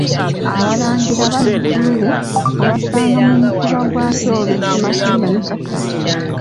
Abalangira bazzukulu be, obasanga mu Mutuba gwa Kyobe Sematimba ne Kattaba.